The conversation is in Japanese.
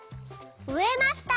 「うえました」。